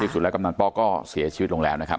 สุดแล้วกำนันป๊อกก็เสียชีวิตลงแล้วนะครับ